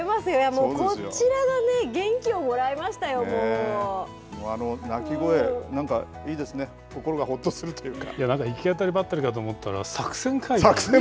もうこちらがね、元気をもらいま泣き声、なんかいいですね、なんか、行き当たりばったりかと思ったら、作戦会議。